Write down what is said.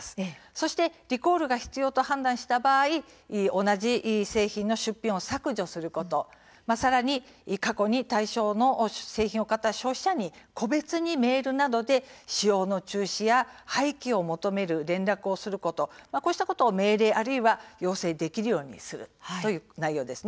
そしてリコールが必要と判断した場合同じ製品の出品を削除することさらに過去に対象の製品を買った消費者に個別にメールなどで使用の中止や廃棄を求める連絡をすることこうしたことを命令あるいは要請できるようにするという内容です。